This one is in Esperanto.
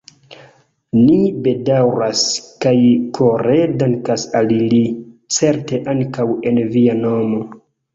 Ni bedaŭras kaj kore dankas al li, certe ankaŭ en via nomo.